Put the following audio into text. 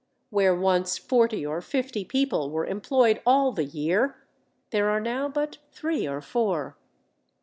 Where once forty or fifty people were employed all the year, there are now but three or four.